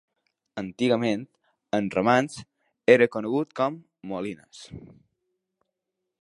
Antigament, en romanx, era conegut com "Molinas".